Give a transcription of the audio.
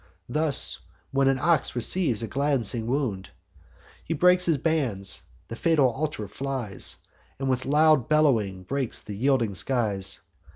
Thus, when an ox receives a glancing wound, He breaks his bands, the fatal altar flies, And with loud bellowings breaks the yielding skies.